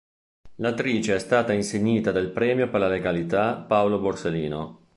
L'attrice è stata insignita del premio per la legalità "Paolo Borsellino".